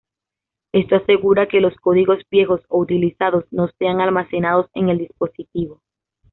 Esto asegura que los códigos viejos o utilizados no sean almacenados en el dispositivo.